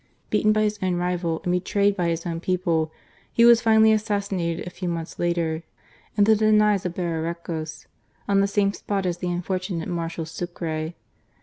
Beaten by his rival and betrayed by his 130 GARCIA MORENO. own people, he was finally assassinated, a few months later, in the defiles of Bemiecos, on the same spot as the unfortunate Marshal Sucre.